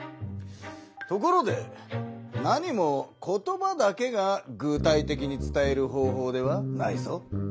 ところでなにも言葉だけが具体的に伝える方ほうではないぞ。